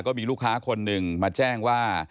ก็มีลูกค้าคนหนึ่งมาแจ้งว่า